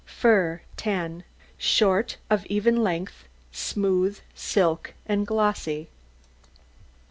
FUR 10 Short, of even length, smooth, silky, and glossy.